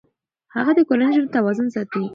هغه د کورني ژوند توازن ساتي.